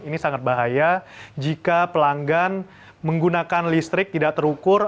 ini sangat bahaya jika pelanggan menggunakan listrik tidak terukur